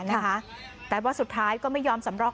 กลับด้านหลักหลักหลัก